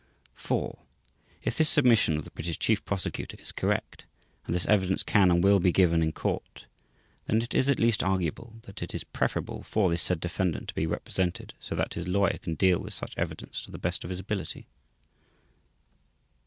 iv) If this submission of the British Chief Prosecutor is correct and this evidence can and will be given in Court, then it is at least arguable that it is preferable for the said defendant to be represented so that his lawyer can deal with such evidence to the best of his ability.